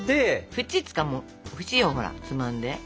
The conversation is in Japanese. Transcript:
縁つかもう縁をほらつまんで。